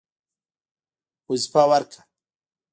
وظیفه ورکړه.